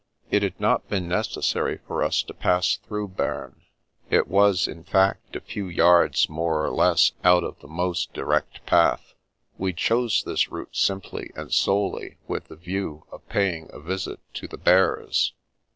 It had not been necessary for us to pass through Bern ; it was, in fact, a few yards more or less out of the most direct path. We chose this route simply and solely with the view of paying a visit to the Bears.